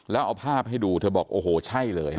แล้วเอาภาพให้ดูเธอบอกโอ้โหใช่เลย